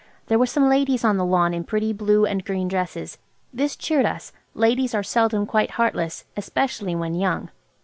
There were some ladies on the lawn in pretty blue and green dresses. This cheered us. Ladies are seldom quite heartless, especially when young.